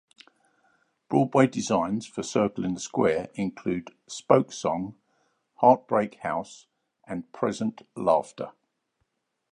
Broadway designs for Circle in the Square include "Spokesong", "Heartbreak House" and "Present Laughter".